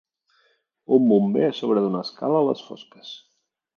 Un bomber a sobre d'una escala a les fosques.